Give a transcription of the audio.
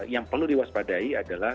yang perlu diwaspadai adalah